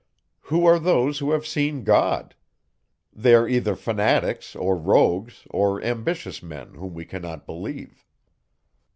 Who are those, who have seen God? They are either fanatics, or rogues, or ambitious men, whom we cannot believe.